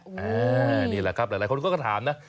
นี่แหละครับหลายคนก็ถามนะ